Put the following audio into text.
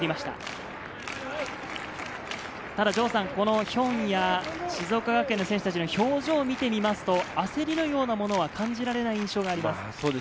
ただヒョンや静岡学園の選手たちの表情を見てみますと焦りのようなものは感じられない印象があります。